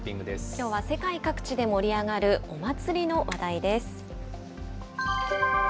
きょうは世界各地で盛り上がるお祭りの話題です。